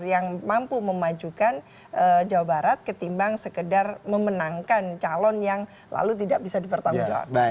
yang mampu memajukan jawa barat ketimbang sekedar memenangkan calon yang lalu tidak bisa dipertanggungjawabkan